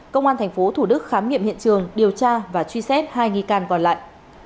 công an tp thủ đức khám nghiệm hiện trường điều tra và truy xét hai nghi can còn lại